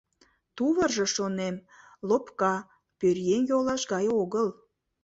Тувыржо, шонем, лопка, пӧръеҥ йолаш гае огыл.